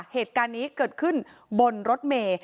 เหตุการณ์นี้เกิดขึ้นบนรถเมย์